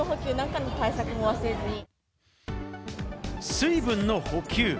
水分の補給。